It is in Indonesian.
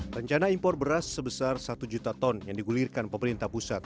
rencana impor beras sebesar satu juta ton yang digulirkan pemerintah pusat